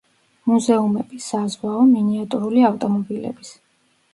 მუზეუმები: საზღვაო, მინიატურული ავტომობილების.